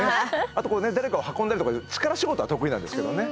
あと誰かを運んだりとか力仕事は得意なんですけどね。